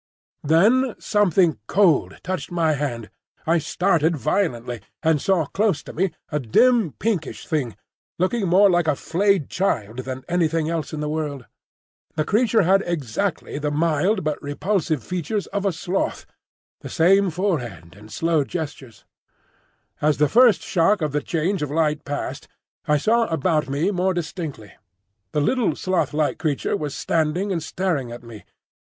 Then something cold touched my hand. I started violently, and saw close to me a dim pinkish thing, looking more like a flayed child than anything else in the world. The creature had exactly the mild but repulsive features of a sloth, the same low forehead and slow gestures. As the first shock of the change of light passed, I saw about me more distinctly. The little sloth like creature was standing and staring at me.